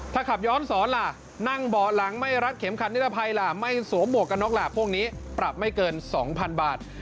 ถ้าขับย้อนสอนล่ะนั่งเบาะหลังไม่รัดเข็มขัดนิรภัยล่ะไม่สวมหวกกันน็อกล่ะพวกนี้ปรับไม่เกิน๒๐๐๐บาท